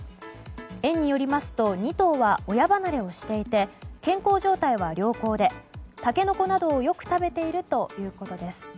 園によりますと２頭は親離れをしていて健康状態は良好でタケノコなどをよく食べているということです。